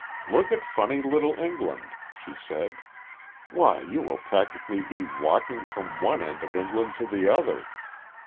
"Look at funny little England!" she said. "Why, you will practically be walking from one end of England to the other.